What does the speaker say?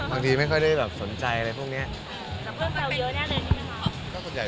บางทีไม่ค่อยได้สนใจอะไรพวกนี้